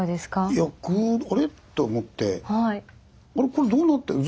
いやぐっ「あれ？」と思って「あれ？これどうなってる？」。